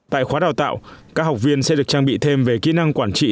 tại khóa đào tạo các học viên sẽ được trang bị thêm về kỹ năng quản trị